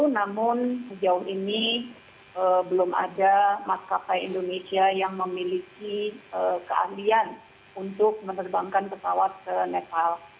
namun sejauh ini belum ada maskapai indonesia yang memiliki keahlian untuk menerbangkan pesawat ke nepal